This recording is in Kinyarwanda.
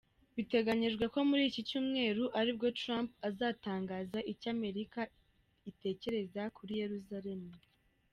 Biteganyijwe ko muri iki Cyumweru aribwo Trump azatangaza icyo Amerika itekereza kuri Yeruzalemu.